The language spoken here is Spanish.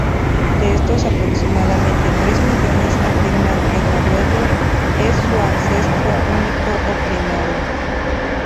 De estos, aproximadamente tres millones afirman que "noruego" es su ancestro único o primario.